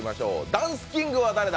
ダンスキングは誰だ！